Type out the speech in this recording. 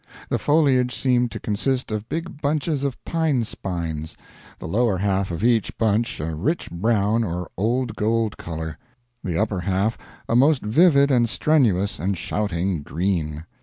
The foliage seemed to consist of big bunches of pine spines, the lower half of each bunch a rich brown or old gold color, the upper half a most vivid and strenuous and shouting green.